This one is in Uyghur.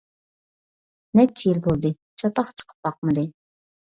نەچچە يىل بولدى، چاتاق چىقىپ باقمىدى.